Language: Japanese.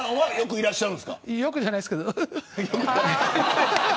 よくじゃないですけど。